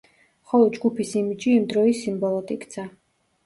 ხოლო ჯგუფის იმიჯი იმ დროის სიმბოლოდ იქცა.